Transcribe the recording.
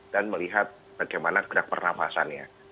dan melihat bagaimana gerak pernapasannya